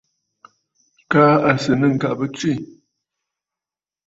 Kaa à sɨ̀ nɨ̂ ŋ̀kabə tswê.